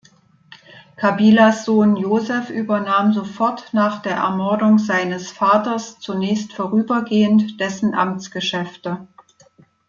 Kabilas Sohn Joseph übernahm sofort nach der Ermordung seines Vaters zunächst vorübergehend dessen Amtsgeschäfte.